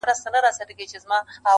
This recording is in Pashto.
پر خوله باندي لاس نيسم و هوا ته درېږم;